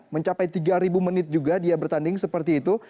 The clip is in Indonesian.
mencapai tiga menit juga dia bertanding seperti itu